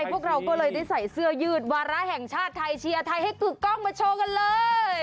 พวกเราก็เลยได้ใส่เสื้อยืดวาระแห่งชาติไทยเชียร์ไทยให้กึกกล้องมาโชว์กันเลย